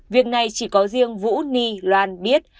việc này chỉ có riêng vũ ni loan biết